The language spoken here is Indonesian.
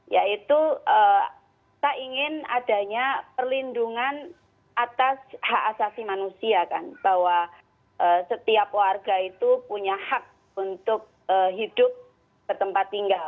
yaitu kita ingin adanya perlindungan atas hak asasi manusia kan bahwa setiap warga itu punya hak untuk hidup ke tempat tinggal